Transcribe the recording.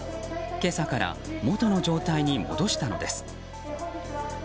今朝から元の状態に戻したのです。